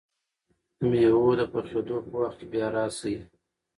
د مېوو د پخېدو په وخت کې بیا راشئ!